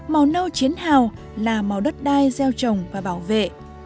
màu nâu chiến hào là màu đất đai gieo trồng và bảo vệ